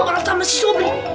bersama si sobring